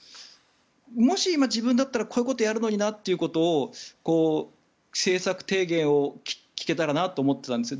もし今、自分だったらこういうことをやるのになという政策提言を聞けたらなと思ってたんです。